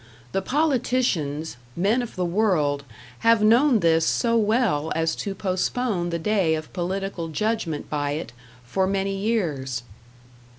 The politicians, men of the world, have known this so well as to postpone the day of political judgment by it for many years.